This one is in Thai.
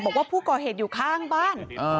บอกว่าผู้ก่อเหตุอยู่ข้างบ้าน